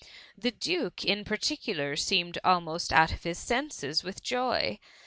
The Duke in particular, seemed almost out THE MUMMY. 277 of his senses with joy.